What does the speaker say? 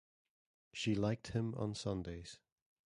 She liked him on Sundays.